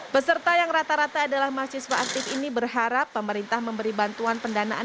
peserta yang rata rata adalah mahasiswa aktif ini berharap pemerintah memberi bantuan pendanaan